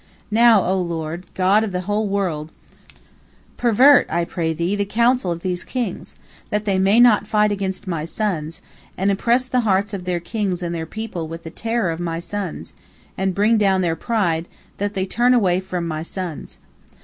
Now, O Lord, God of the whole world, pervert, I pray Thee, the counsel of these kings, that they may not fight against my sons, and impress the hearts of their kings and their people with the terror of my sons, and bring down their pride that they turn away from my sons.